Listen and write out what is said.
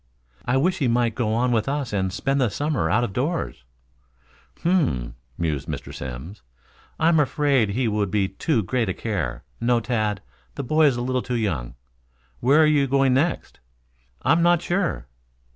"I wish he might go on with us and spend the summer out of doors." "H m m m," mused Mr. Simms. "I am afraid he would be too great a care. No, Tad, the boy is a little too young. Where are you going next?" "I am not sure."